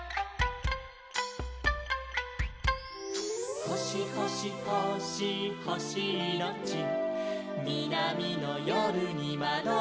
「ほしほしほしほしいのち」「みなみのよるにまどろんで」